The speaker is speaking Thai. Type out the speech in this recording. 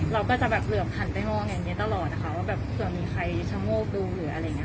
เราก็จะแบบเหลือหันไปห้องอย่างเงี้ยตลอดนะคะว่าแบบส่วนมีใครช่างโมกดูหรืออะไรอย่างเงี้ย